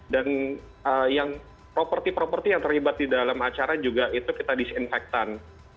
dan yang properti properti yang terlibat di dalam acara juga itu kita disinfectan